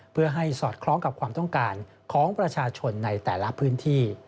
เพื่อให้สอดคล้องกับความต้องการของประชาชนในแต่ละพื้นที่